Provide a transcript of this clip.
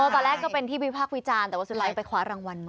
ตอนแรกก็เป็นที่วิพากษ์วิจารณ์แต่ว่าสุดท้ายไปคว้ารางวัลมา